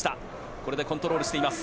これでコントロールしています。